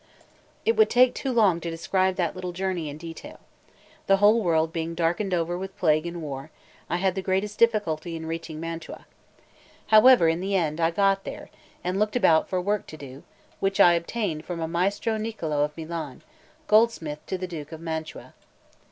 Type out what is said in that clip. It would take too long to describe that little journey in detail. The whole world being darkened over with plague and war, I had the greatest difficulty in reaching Mantua. However, in the end, I got there, and looked about for work to do, which I obtained from a Maestro Niccolò of Milan, goldsmith to the Duke of Mantua.